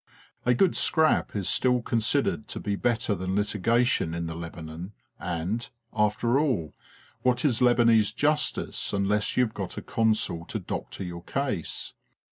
A good scrap is still con sidered to be better than litigation in the Lebanon and, after all, what is Lebanese Justice unless you've got a consul to doctor your case?